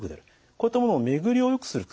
こういったものを巡りをよくする。